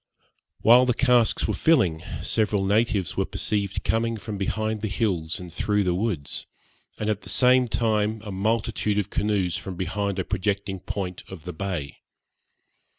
While the casks were filling, several natives were perceived coming from behind the hills and through the woods, and at the same time a multitude of canoes from behind a projecting point of the bay.